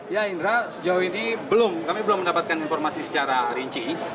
ya indra sejauh ini belum kami belum mendapatkan informasi secara rinci